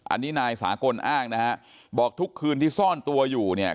อันนี้นายสากลอ้างนะฮะบอกทุกคืนที่ซ่อนตัวอยู่เนี่ย